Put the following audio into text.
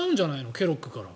ケロッグから。